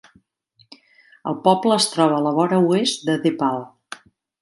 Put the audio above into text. El poble es troba a la vora oest de The Pale.